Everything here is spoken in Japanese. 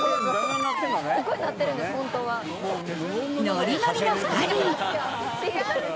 ノリノリの２人。